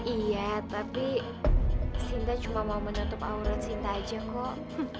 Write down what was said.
iya tapi sinta cuma mau menutup aurat cinta aja kok